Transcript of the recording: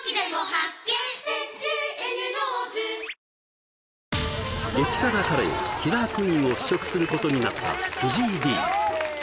変われ変わった激辛カレーキラークイーンを試食することになった藤井Ｄ